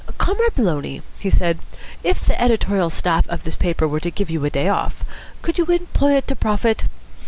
"Comrade Maloney," he said, "if the Editorial Staff of this paper were to give you a day off, could you employ it to profit?"